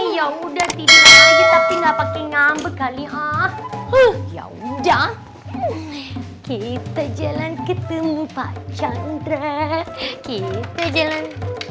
ya udah tidak kita tinggal pakai ngambek kali ya udah kita jalan ketemu pak chandra kita jalan